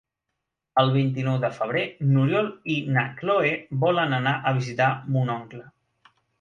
El vint-i-nou de febrer n'Oriol i na Cloè volen anar a visitar mon oncle.